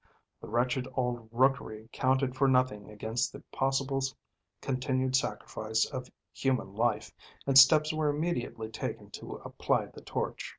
The wretched old rookery counted for nothing against the possible continued sacrifice of human life, and steps were immediately taken to apply the torch.